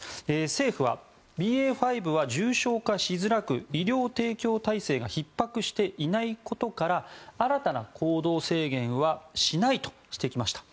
政府はＢＡ．５は重症化しづらく医療提供体制がひっ迫していないことから新たな行動制限はしないとしてきました。